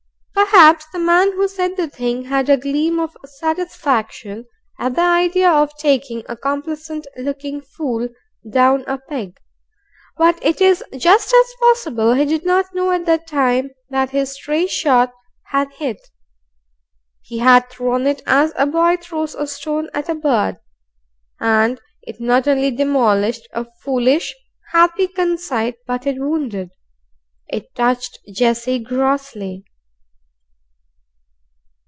Perhaps the man who said the thing had a gleam of satisfaction at the idea of taking a complacent looking fool down a peg, but it is just as possible he did not know at the time that his stray shot had hit. He had thrown it as a boy throws a stone at a bird. And it not only demolished a foolish, happy conceit, but it wounded. It touched Jessie grossly.